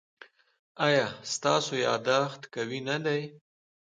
ایا ستاسو یادښت قوي نه دی؟